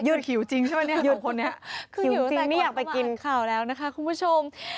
หิวจริงนี่อยากไปกินข่าวแล้วนะคะคุณผู้ชม